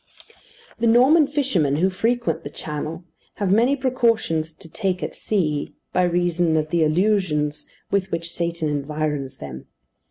The Norman fishermen, who frequent the Channel, have many precautions to take at sea, by reason of the illusions with which Satan environs them.